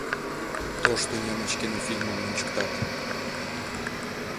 Тошто немыч кинофильмым ончыктат.